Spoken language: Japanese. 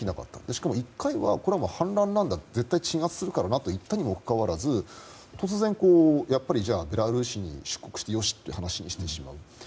しかも、一回はこれは反乱なんだ絶対鎮圧すると言ったのにもかかわらず突然、ベラルーシに出国してよしという話にしてしまう。